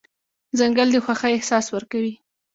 ځنګل د خوښۍ احساس ورکوي.